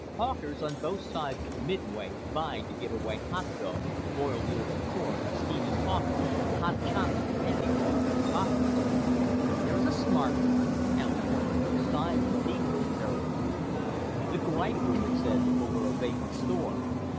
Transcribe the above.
Hawkers on opposite sides of the midway vied to give away hot dogs, boiled ears of corn, steaming coffee, hot chocolate, candy bars, and popcorn. "There's a smart one." Alis pointed to a sign in Thebold territory. The Gripe Room it said over a vacant store.